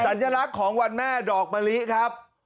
สัญลักษณ์ของวันแม่ดอกมะลิครับ